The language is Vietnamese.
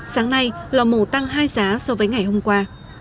sáng nay lò mổ tăng hai giá so với ngày hôm qua